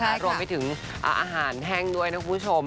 ใช่ค่ะรวมไปถึงอาหารแห้งด้วยนะครูชม